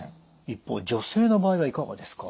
一方女性の場合はいかがですか？